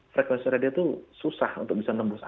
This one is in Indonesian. frekuensi radio itu susah untuk bisa menurut saya